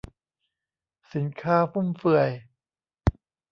สินค้าฟุ่มเฟือย